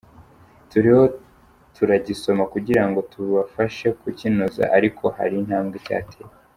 Turiho turagisoma kugira ngo tubafashe kukinoza ariko hari intambwe cyateye.”